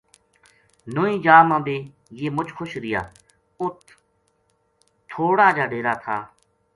نوئی جا ما بے یہ مُچ خوش رہیا اُت تھوڑ ا جا ڈیرا تھا